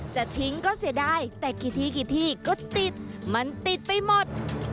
จะทิ้งก็เสียดายแต่กี่ทีกี่ทีก็ติดมันติดไปหมด